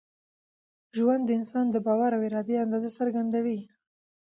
ژوند د انسان د باور او ارادې اندازه څرګندوي.